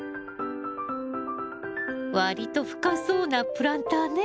割と深そうなプランターね。